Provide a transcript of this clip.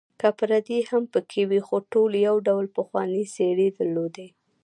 که پردي هم پکې وې، خو ټولو یو ډول پخوانۍ څېرې درلودې.